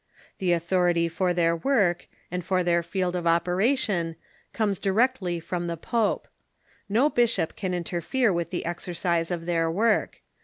The authority for their work, and for their field of operation, comes directly from the pope. No bishop can interfere with the ex ercise of their work.